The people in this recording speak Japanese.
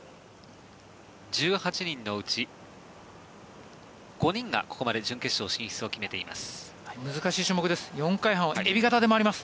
１８人のうち５人が、ここまで準決勝進出を決めています。